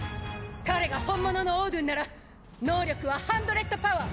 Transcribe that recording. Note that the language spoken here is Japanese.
彼が本物のオードゥンなら能力はハンドレッドパワー！